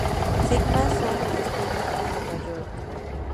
Sigma Sound Studio, New York.